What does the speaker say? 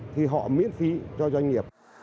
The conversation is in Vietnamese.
thì họ miễn phí cho doanh nghiệp